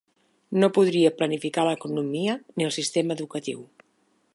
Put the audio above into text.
No podria planificar l'economia ni el sistema educatiu.